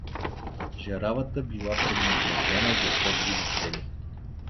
Жаравата била предназначена за по-други цели.